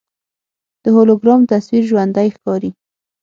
د هولوګرام تصویر ژوندی ښکاري.